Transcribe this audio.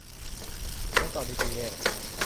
แม้ตอนนี้จะแย่